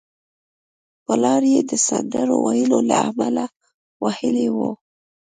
پلار یې د سندرو ویلو له امله وهلی و